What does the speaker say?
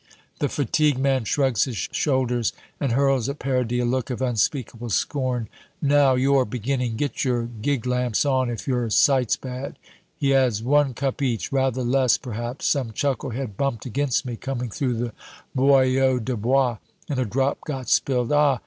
The fatigue man shrugs his shoulders, and hurls at Paradis a look of unspeakable scorn "Now you're beginning! Get your gig lamps on, if your sight's bad." He adds, "One cup each rather less perhaps some chucklehead bumped against me, coming through the Boyau du Bois, and a drop got spilled." "Ah!"